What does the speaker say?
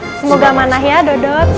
semoga manah ya duduk